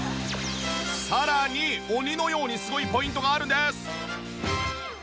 さらに鬼のようにすごいポイントがあるんです。